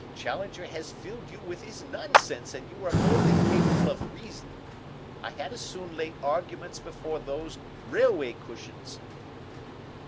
Challenger has filled you with his nonsense and you are both incapable of reason. I had as soon lay arguments before those railway cushions."